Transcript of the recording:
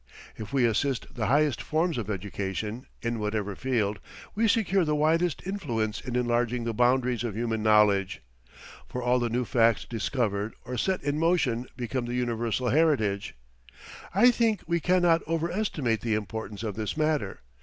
If we assist the highest forms of education in whatever field we secure the widest influence in enlarging the boundaries of human knowledge; for all the new facts discovered or set in motion become the universal heritage. I think we cannot overestimate the importance of this matter.